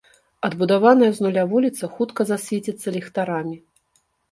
Адбудаваная з нуля вуліца хутка засвеціцца ліхтарамі.